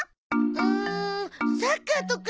んーサッカーとか。